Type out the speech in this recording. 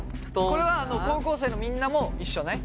これは高校生のみんなも一緒ね。